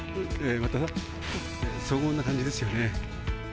また、荘厳な感じですよね。